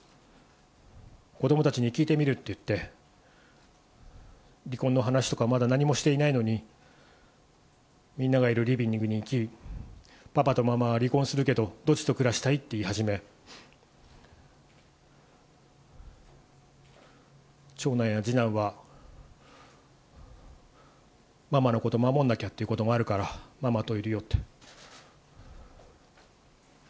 子どもたちに聞いてみるって言って、離婚の話とか、まだ何もしていないのに、みんながいるリビングに行き、パパとママは離婚するけど、どっちと暮らしたい？って言い始め、長男や次男はママのこと守んなきゃということもあるからママといるよって。